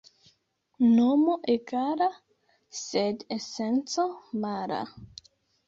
Nomo egala, sed esenco mala.